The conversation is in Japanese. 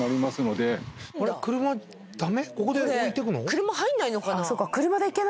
車入んないのかな？